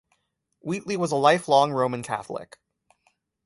Wheatley was a lifelong Roman Catholic.